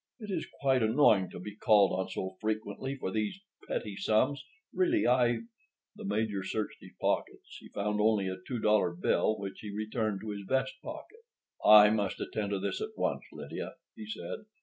"It is quite annoying to be called on so frequently for these petty sums, Really, I—" The Major searched his pockets. He found only a two dollar bill, which he returned to his vest pocket. "I must attend to this at once, Lydia," he said.